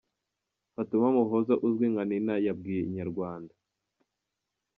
Fatuma Muhoza uzwi nka Nina yabwiye inyarwanda.